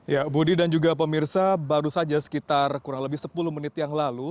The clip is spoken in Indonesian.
ya budi dan juga pemirsa baru saja sekitar kurang lebih sepuluh menit yang lalu